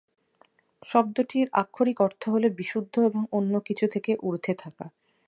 শব্দটির আক্ষরিক অর্থ হল "বিশুদ্ধ এবং অন্য কিছু থেকে ঊর্ধ্বে থাকা"।